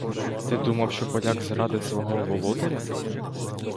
Ти думав, ще поляк зрадить свого володаря?!